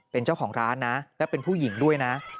เป็นเจ้าของร้านนะและเป็นผู้หญิงด้วยนะ